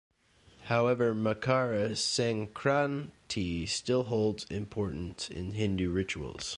However Makara Sankranti still holds importance in Hindu rituals.